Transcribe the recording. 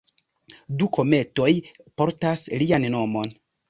Du kometoj portas lian nomon.